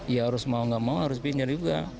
ya harus mau nggak mau harus pindah juga